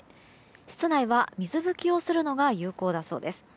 室内は水拭きをするのが有効です。